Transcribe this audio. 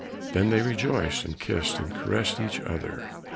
Then they rejoiced and kissed and caressed each other.